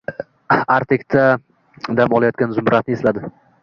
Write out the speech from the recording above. Artekda dam olayotgan Zumradni esladi.